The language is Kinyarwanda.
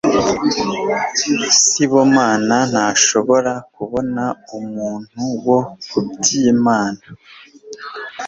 Sibomana ntashobora kubona umuntu wo kubyinana.